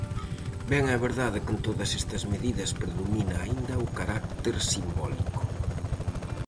Ben é verdade que en todas estas medidas predomina aínda o carácter simbólico.